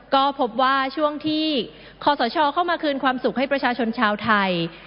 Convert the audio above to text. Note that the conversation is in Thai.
ก็พบว่าช่วงที่ขอสชเข้ามาคืนความสุขให้ประชาชนชาวไทย